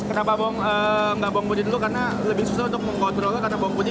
kenapa nggak bawang putih dulu karena lebih susah untuk mengkontrolnya karena bawang putih